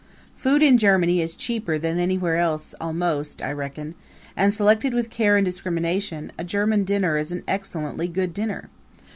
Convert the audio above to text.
Food in Germany is cheaper than anywhere else almost, I reckon; and, selected with care and discrimination, a German dinner is an excellently good dinner.